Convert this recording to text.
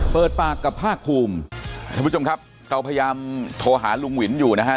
เปิดปากกับภาคภูมิท่านผู้ชมครับเราพยายามโทรหาลุงวินอยู่นะฮะ